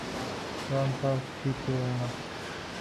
Ramsar site no.